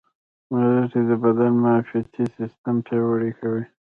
مالټې د بدن معافیتي سیستم پیاوړی کوي.